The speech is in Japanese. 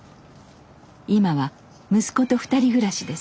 今は息子と２人暮らしです。